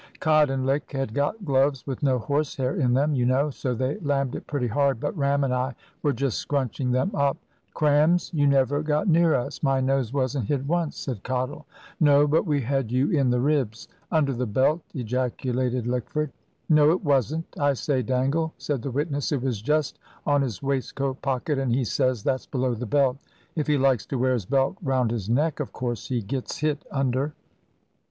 "Cot and Lick had got gloves with no horse hair in them, you know, so they lammed it pretty hard; but Ram and I were just scrunching them up " "Crams! You never got near us. My nose wasn't hit once," said Cottle. "No; but we had you in the ribs." "Under the belt," ejaculated Lickford. "No, it wasn't I say, Dangle," said the witness, "it was just on his waistcoat pocket, and he says that's below the belt. If he likes to wear his belt round his neck, of course he gets hit under."